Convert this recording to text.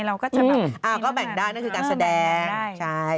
อ้าวก็แบ่งได้นั่นคือการแสดง